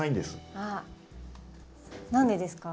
あっ何でですか？